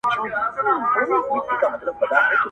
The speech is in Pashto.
• چي ده سم نه کړل خدای خبر چي به په چا سمېږي -